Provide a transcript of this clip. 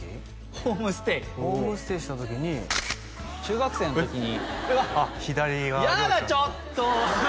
ホームステイホームステイした時に中学生の時にうわっやだちょっと！